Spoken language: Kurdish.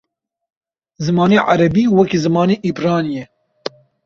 Zimanê erebî wekî zimanê îbranî ye.